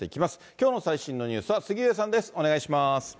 きょうの最新のニュースは杉上さんです。